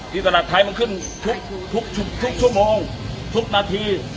ตลาดไทยมันขึ้นทุกชั่วโมงทุกนาที